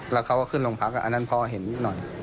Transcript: แล้วเขาก็ขึ้นโรงพักอันนั้นพอเห็นหน่อย